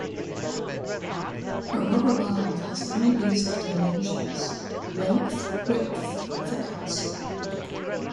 A rubber band has three basic dimensions: length, width, and thickness.